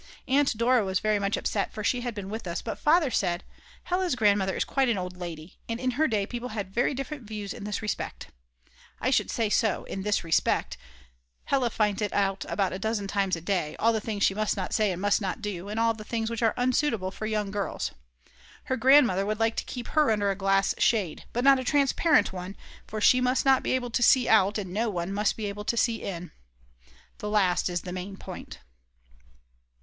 Aunt Dora was very much upset, for she had been with us, but Father said: Hella's grandmother is quite an old lady, and in her day people had very different views in this respect. I should say so, in this respect, Hella finds it out a dozen times a day, all the things she must not say and must not do, and all the things which are unsuitable for young girls! Her grandmother would like to keep her under a glass shade; but not a transparent one, for she must not be able to see out, and no one must be able to see in. (The last is the main point.)